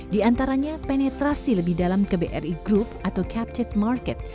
di antaranya penetrasi lebih dalam ke bri group atau captive market